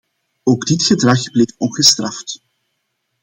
Ook dit gedrag bleef ongestraft.